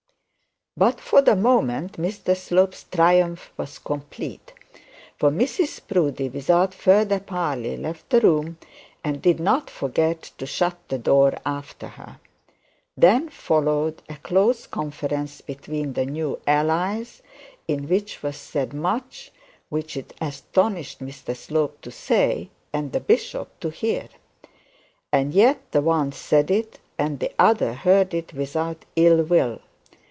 But for the moment Mr Slope's triumph was complete; for Mrs Proudie without further parley left the room, and did not forget to shut the door after her. Then followed a close conference between the new allies, to which was said much which it astonished Mr Slope to say and the bishop to hear. And yet the one said it and the other heard it without ill will.